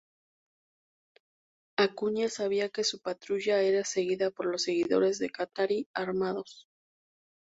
Acuña sabía que su patrulla era seguida por los seguidores de Katari armados.